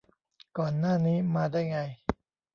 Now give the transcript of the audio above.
ก่อนหน้านี้มาได้ไง